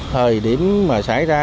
thời điểm mà xảy ra